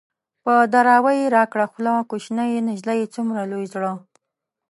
په دراوۍ يې راکړه خوله - کوشنی نجلۍ څومره لوی زړه